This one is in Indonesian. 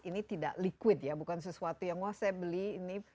ini tidak liquid ya bukan sesuatu yang wah saya beli ini